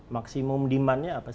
maksimum demandnya apa sih